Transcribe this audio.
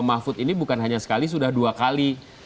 mahfud ini bukan hanya sekali sudah dua kali